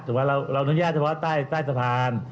ว่าเราอนุญาตเฉพาะใต้สะพาน